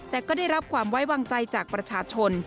แต่ก็ได้รับความไว้วางใจจากประชาชน